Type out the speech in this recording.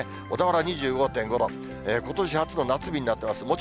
小田原２５．５度、ことし初の夏日になってます。